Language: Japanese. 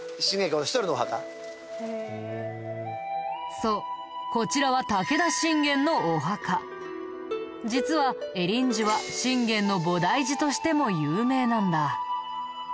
そうこちらは実は恵林寺は信玄の菩提寺としても有名なんだ。